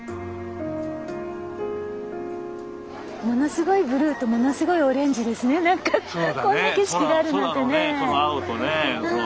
ものすごいブルーとものすごいオレンジですね何か。